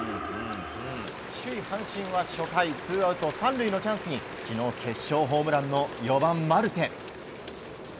首位、阪神は初回ツーアウト３塁のチャンスに昨日決勝ホームランの４番、マルテ。